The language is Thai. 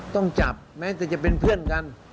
ต้องจับแม้แต่จะเป็นเพื่อนกัน